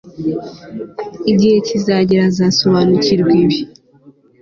Igihe kizagera uzasobanukirwa ibi